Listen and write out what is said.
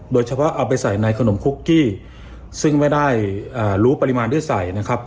โดยเฉพาะเอาไปใส่ในขนมคุกกี้ซึ่งไม่ได้รู้ปริมาณด้วยใส่นะครับ